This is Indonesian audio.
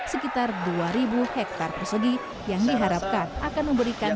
sekitar dua ribu hektare persegi yang diharapkan akan memberikan